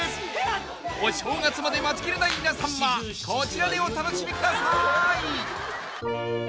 ［お正月まで待ちきれない皆さんはこちらでお楽しみください！］